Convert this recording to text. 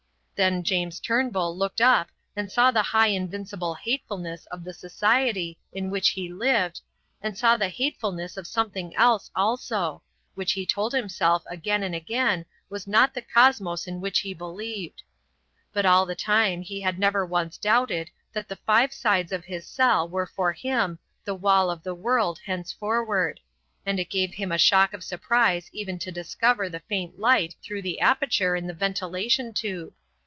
Then James Turnbull looked up and saw the high invincible hatefulness of the society in which he lived, and saw the hatefulness of something else also, which he told himself again and again was not the cosmos in which he believed. But all the time he had never once doubted that the five sides of his cell were for him the wall of the world henceforward, and it gave him a shock of surprise even to discover the faint light through the aperture in the ventilation tube.